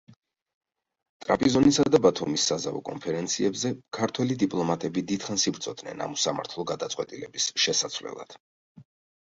ტრაპიზონისა და ბათუმის საზავო კონფერენციებზე ქართველი დიპლომატები დიდხანს იბრძოდნენ ამ უსამართლო გადაწყვეტილების შესაცვლელად.